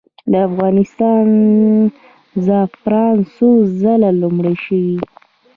د افغانستان زعفران څو ځله لومړي شوي؟